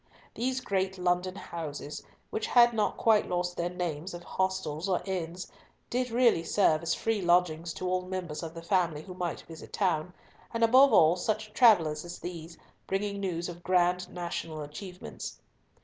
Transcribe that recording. These great London houses, which had not quite lost their names of hostels or inns, did really serve as free lodgings to all members of the family who might visit town, and above all such travellers as these, bringing news of grand national achievements.